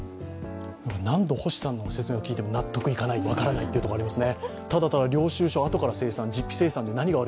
何度星さんの説明を聞いても納得いかない、分からないというところがありますね。